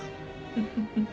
フフフフ。